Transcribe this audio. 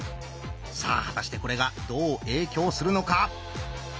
さあ果たしてこれがどう影響するのか？